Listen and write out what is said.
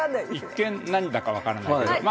一見何だか分からない。